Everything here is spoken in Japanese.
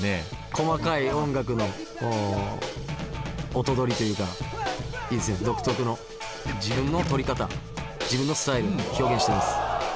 細かい音楽の音取りというかいいですね独特の自分の取り方自分のスタイルを表現しています。